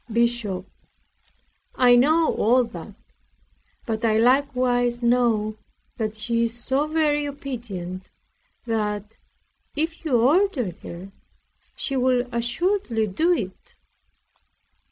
BISHOP I know all that; but I likewise know that she is so very obedient, that, if you order her, she will assuredly do it.